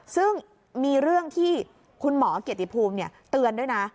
ซึ่งมีเรื่องที่คุณหมอเกียรติภูมิเตือนด้วยนะ